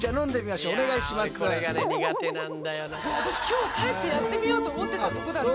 私今日帰ってやってみようと思ってたとこだった。